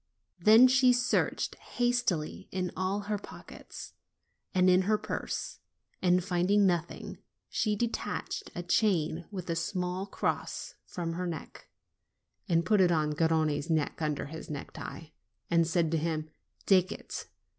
Then she searched hastily in all her pockets, and in her purse, and finding nothing, she detached a chain with a small cross from her neck, and put it on Gar rone's neck, underneath his necktie, and said to him : 'Take it!